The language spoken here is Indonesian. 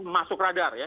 masuk radar ya